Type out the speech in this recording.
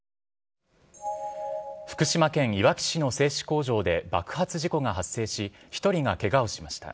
福島県いわき市の製紙工場で爆発事故が発生し、１人がけがをしました。